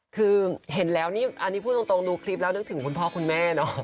คือเห็นแล้วนี่อันนี้พูดตรงดูคลิปแล้วนึกถึงคุณพ่อคุณแม่เนอะ